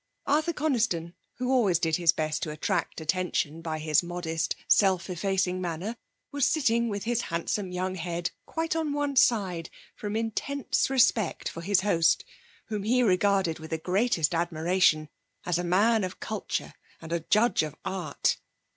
Arthur Coniston, who always did his best to attract attention by his modest, self effacing manner, was sitting with his handsome young head quite on one side from intense respect for his host, whom he regarded with the greatest admiration as a man of culture, and a judge of art.